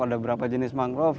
ada berapa jenis mangrove